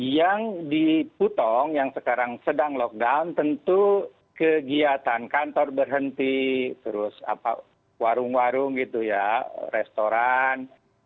yang di putong yang sekarang sedang lockdown tentu kegiatan kantor berhenti terus warung warung gitu ya restoran